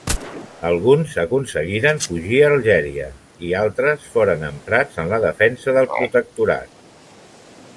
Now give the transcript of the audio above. Alguns aconseguiren fugir a Algèria i els altres foren emprats en la defensa del Protectorat.